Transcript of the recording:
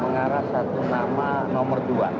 mengarah satu nama nomor dua